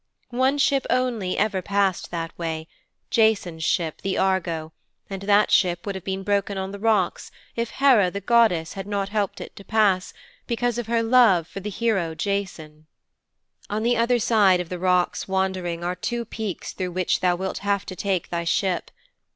One ship only ever passed that way, Jason's ship, the Argo, and that ship would have been broken on the rocks if Hera the goddess had not helped it to pass, because of her love for the hero Jason."' '"On the other side of the Rocks Wandering are two peaks through which thou wilt have to take thy ship.